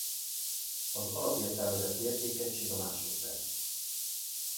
Az alapértelmezett mértékegység a másodperc.